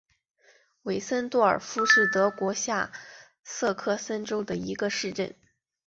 韦森多尔夫是德国下萨克森州的一个市镇。